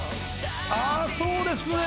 あそうですね